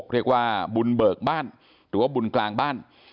เรียกว่าบุญเบิกบ้านหรือว่าบุญกลางบ้าน